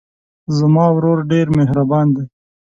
زما ورور ډېر مهربان دی.